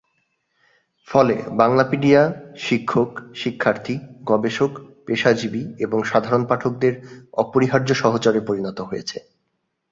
ফলে বাংলাপিডিয়া শিক্ষক, শিক্ষার্থী, গবেষক, পেশাজীবী এবং সাধারণ পাঠকদের অপরিহার্য সহচরে পরিণত হয়েছে।